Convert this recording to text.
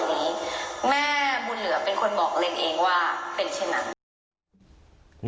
ท่านบอกกับคำนี้แม่บุญเหลือเป็นคนบอกเรนเองว่าเป็นใช่ไหม